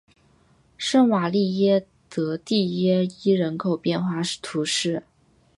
圣瓦利耶德蒂耶伊人口变化图示